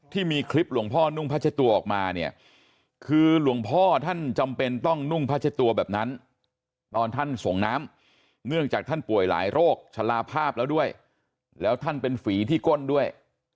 ที่มีคลิปหลวงพ่อนุ่งพระเจ้าตัวออกมาเนี่ยคือหลวงพ่อท่านจำเป็นต้องนุ่งพัชตัวแบบนั้นตอนท่านส่งน้ำเนื่องจากท่านป่วยหลายโรคชะลาภาพแล้วด้วยแล้วท่านเป็นฝีที่ก้นด้วย